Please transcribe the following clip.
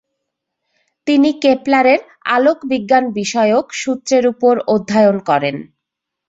তিনি কেপলারের আলোকবিজ্ঞান বিষয়ক সূত্রের উপর অধ্যয়ন করেন।